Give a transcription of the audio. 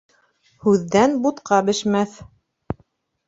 Һүҙҙән бутҡа бешмәҫ.